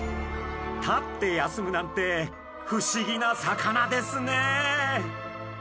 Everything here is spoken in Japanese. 立って休むなんて不思議な魚ですね。